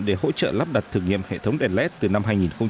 để hỗ trợ lắp đặt thử nghiệm hệ thống đèn led từ năm hai nghìn một mươi năm